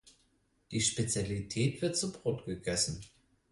Die Spezialität wird zu Brot gegessen.